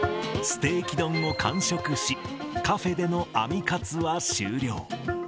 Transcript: ステーキ丼を完食し、カフェでのアミ活は終了。